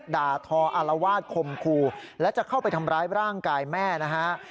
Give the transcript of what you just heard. ด่าทออารวาสคมคู่และจะเข้าไปทำร้ายร่างกายแม่นะฮะ